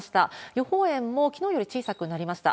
予報円もきのうより小さくなりました。